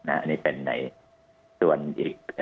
อันนี้เป็นในส่วนอีก